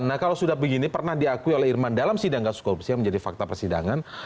karena kalau sudah begini pernah diakui oleh irman dalam sidang kasus korupsi yang menjadi fakta persidangan